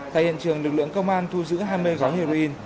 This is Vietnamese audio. tại hiện trường lực lượng công an thu giữ hai mươi gói heroin